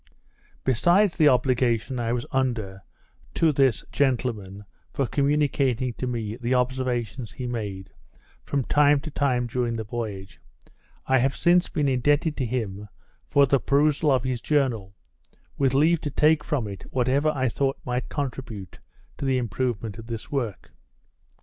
Besides the obligation I was under to this gentleman for communicating to me the observations he made, from time to time, during the voyage, I have since been indebted to him for the perusal of his journal, with leave to take from it whatever I thought might contribute to the improvement of this work.